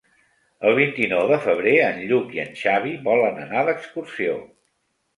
El vint-i-nou de febrer en Lluc i en Xavi volen anar d'excursió.